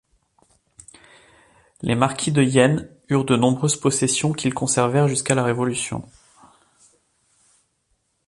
Les marquis de Yenne, eurent de nombreuses possessions qu'ils conservèrent jusqu'à la Révolution.